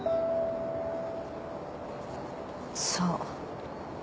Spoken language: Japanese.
そう。